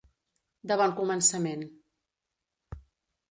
De bon començament.